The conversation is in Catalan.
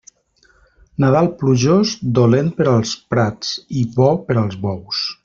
Nadal plujós, dolent per als prats i bo per als bous.